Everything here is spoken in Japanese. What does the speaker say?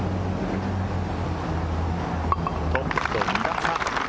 トップと２打差。